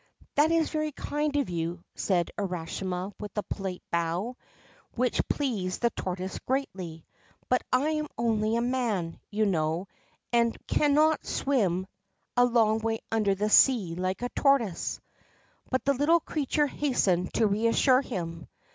' That is very kind of you,' said Urashima with a polite bow, which pleased the tortoise greatly ;' but I am only a man, you know, and cannot swim a long way under the sea like a tortoise.' But the little creature hastened to reassure him.